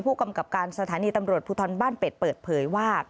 ผู้กำกับการสถานีตำรวจภูทรบ้านเป็ดเปิดเผยว่า